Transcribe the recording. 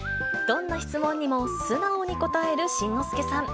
どんな質問にも素直に答える新之助さん。